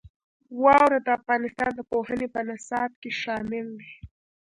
واوره د افغانستان د پوهنې په نصاب کې شامل دي.